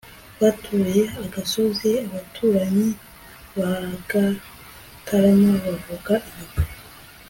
batuye agasozi (abaturanyi) bagatarama bavuga ibigwi